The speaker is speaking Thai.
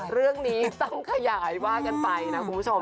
ต้องขยายว่ากันไปนะคุณผู้ชม